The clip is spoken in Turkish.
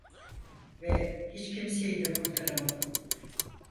Ve hiç kimseyi de kurtaramadım.